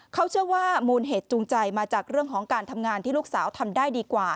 เขาเชื่อว่ามูลเหตุจูงใจมาจากเรื่องของการทำงานที่ลูกสาวทำได้ดีกว่า